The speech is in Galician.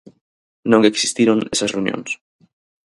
Non existiron esas reunións.